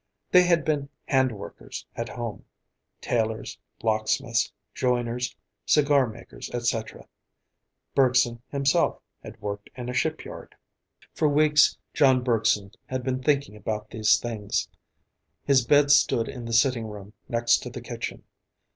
They had been handwerkers at home; tailors, locksmiths, joiners, cigar makers, etc. Bergson himself had worked in a shipyard. For weeks, John Bergson had been thinking about these things. His bed stood in the sitting room, next to the kitchen.